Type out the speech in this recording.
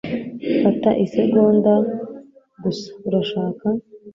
Fata isegonda gusa, urashaka?